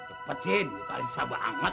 cepet sih minta alisa banget